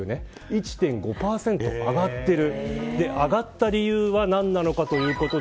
１．５％上がってる。